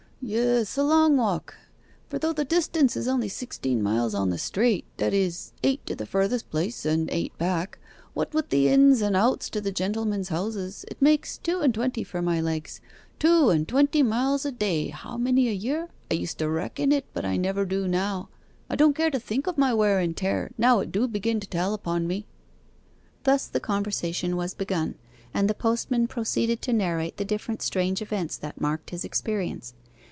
'Yes a long walk for though the distance is only sixteen miles on the straight that is, eight to the furthest place and eight back, what with the ins and outs to the gentlemen's houses, it makes two and twenty for my legs. Two and twenty miles a day, how many a year? I used to reckon it, but I never do now. I don't care to think o' my wear and tear, now it do begin to tell upon me.' Thus the conversation was begun, and the postman proceeded to narrate the different strange events that marked his experience.